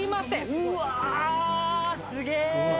うわすげえ！